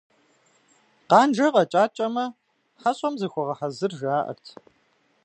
Къанжэ къэкӀакӀэмэ, хьэщӀэм зыхуэгъэхьэзыр, жаӀэрт.